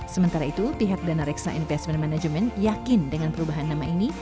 sementara itu pihak dana reksa investment management yakin dengan perubahan nama ini